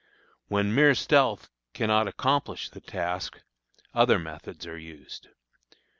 When mere stealth cannot accomplish the task, other methods are used.